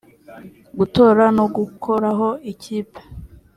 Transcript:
gutora no gukuraho ikipe